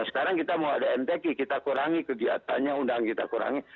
sekarang kita mau ada mtk kita kurangi kegiatannya undangan kita kurangi